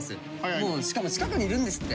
しかも近くにいるんですって。